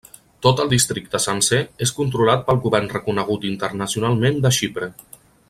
Tot el districte sencer és controlat pel govern reconegut internacionalment de Xipre.